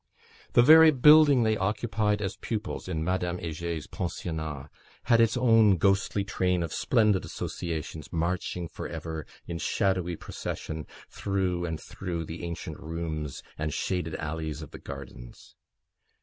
The very building they occupied as pupils, in Madame Heger's pensionnat, had its own ghostly train of splendid associations, marching for ever, in shadowy procession, through and through the ancient rooms, and shaded alleys of the gardens.